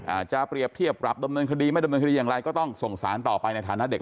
อาจจะเปรียบเทียบปรับดำเนินคดีไม่ดำเนินคดีอย่างไรก็ต้องส่งสารต่อไปในฐานะเด็ก